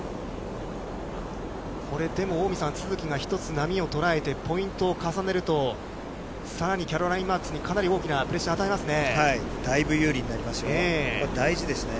これ、近江さん、都筑が一つ波を捉えてポイントを重ねると、さらにキャロライン・マークスに、かなり大きなプレッシャーを与えますね。